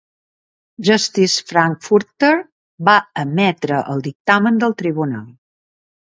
Justice Frankfurter va emetre el dictamen del Tribunal.